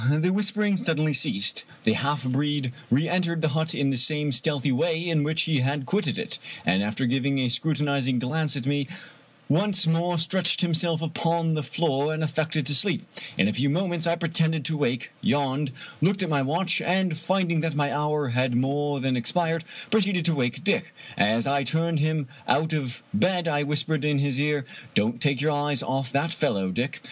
The whispering suddenly ceased. The half breed reen tered the hut in the same stealthy way in which he had quitted it, and after giving a scrutinizing glance at me, once more stretched himself upon the floor and affected to sleep. In a few moments I pretended to awake, yawned, looked at my watch, and finding that my hour had more than expired, proceeded to wake Dick. As I turned him out of bed I whispered in his ear :" Don't take your eyes off that fellow, Dick.